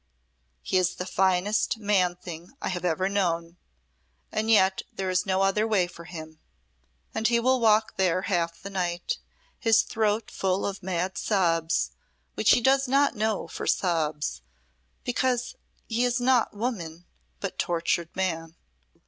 He is the finest man thing I have ever known and yet there is no other way for him and he will walk there half the night, his throat full of mad sobs, which he does not know for sobs, because he is not woman but tortured man."